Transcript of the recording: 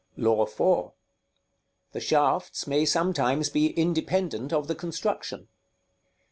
§ XXXIV. LAW IV. _The shafts may sometimes be independent of the construction.